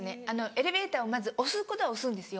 エレベーターをまず押すことは押すんですよ。